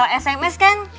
ini pasti masalah sms kan